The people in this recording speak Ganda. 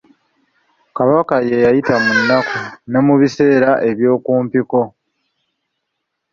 Kabaka yeeyita munaku, ne mu biseera eby'okumpiko eno.